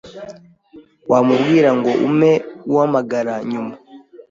Wamubwira ngo umpe guhamagara nyuma?